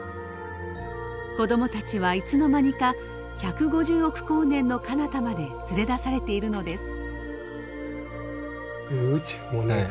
子どもたちはいつの間にか１５０億光年のかなたまで連れ出されているのです。